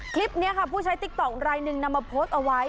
คลิปนี้ค่ะผู้ใช้ติ๊กต๊อกรายหนึ่งนำมาโพสต์เอาไว้